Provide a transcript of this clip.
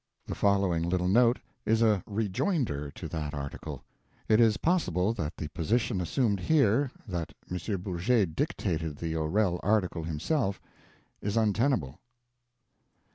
The following little note is a Rejoinder to that article. It is possible that the position assumed here that M. Bourget dictated the O'Rell article himself is untenable.